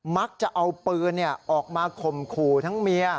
มักจะเอาปืนออกมาข่มขู่ทั้งเมีย